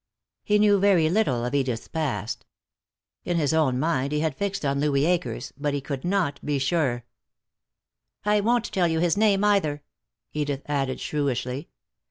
He knew very little of Edith's past. In his own mind he had fixed on Louis Akers, but he could not be sure. "I won't tell you his name, either," Edith added, shrewishly.